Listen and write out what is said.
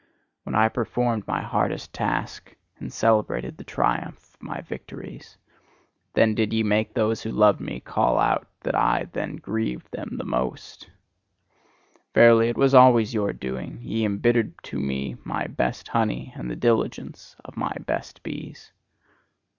And when I performed my hardest task, and celebrated the triumph of my victories, then did ye make those who loved me call out that I then grieved them most. Verily, it was always your doing: ye embittered to me my best honey, and the diligence of my best bees.